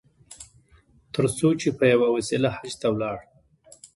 تر څو چې په یوه وسیله حج ته ولاړ.